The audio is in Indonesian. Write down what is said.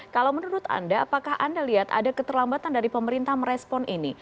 kalau menurut anda apakah anda lihat ada keterlambatan dari pemerintah merespon ini